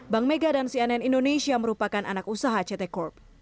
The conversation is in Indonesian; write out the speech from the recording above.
bank mega dan cnn indonesia merupakan anak usaha ct corp